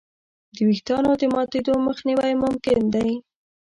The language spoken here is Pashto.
د وېښتیانو د ماتېدو مخنیوی ممکن دی.